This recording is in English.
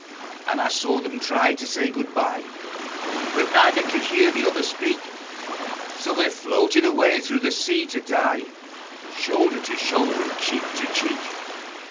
And I saw them try to say good bye, But neither could hear the other speak; So they floated away through the sea to die Shoulder to shoulder and cheek to cheek.